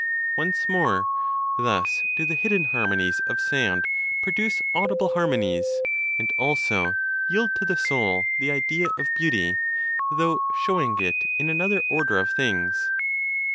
Once more, thus do the hidden harmonies of sound produce audible harmonies, and also yield to the soul the idea of beauty, though showing it in another order of things.